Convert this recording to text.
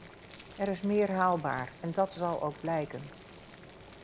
Er is meer haalbaar en dat zal ook blijken.